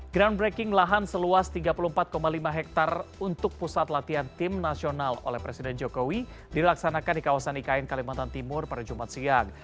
groundbreaking lahan seluas tiga puluh empat lima hektare untuk pusat latihan tim nasional oleh presiden jokowi dilaksanakan di kawasan ikn kalimantan timur pada jumat siang